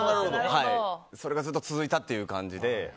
それがずっと続いたという感じで。